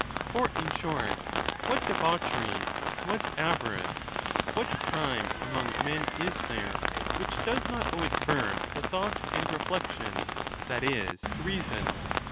For, in short, what debauchery, what avarice, what crime among men is there which does not owe its birth to thought and reflection, that is, to reason